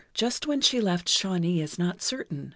Just when she left Shawnee is not certain.